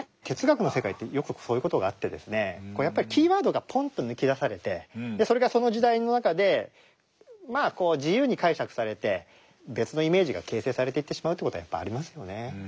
哲学の世界ってよくそういう事があってやっぱりキーワードがポンと抜き出されてそれがその時代の中でまあ自由に解釈されて別のイメージが形成されていってしまうという事はやっぱりありますよね。